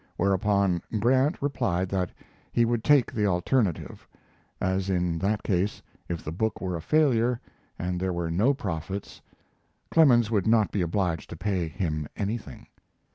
Whereupon Grant replied that he would take the alternative; as in that case, if the book were a failure, and there were no profits, Clemens would not be obliged to pay him anything.